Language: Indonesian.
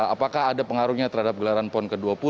apakah ada pengaruhnya terhadap gelaran pon ke dua puluh